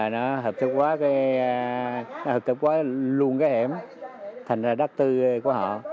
nó hợp thức quá luôn cái hẻm thành ra đất tư của họ